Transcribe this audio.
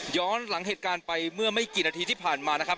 หลังเหตุการณ์ไปเมื่อไม่กี่นาทีที่ผ่านมานะครับ